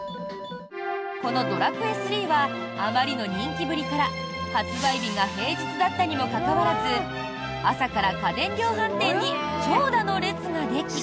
この「ドラクエ３」はあまりの人気ぶりから発売日が平日だったにもかかわらず朝から家電量販店に長蛇の列ができ。